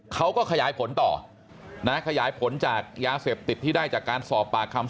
เขาก็ขยายผลต่อนะขยายผลจากยาเสพติดที่ได้จากการสอบปากคำ